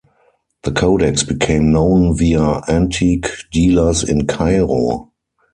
The codex became known via antique dealers in Cairo.